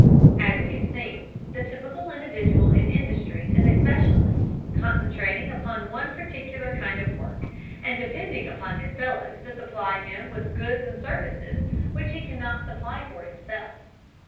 As we have seen, the typical individual in industry is a specialist, concentrating upon one particular kind of work, and depending upon his fellows to supply him with goods and services which he cannot supply for himself.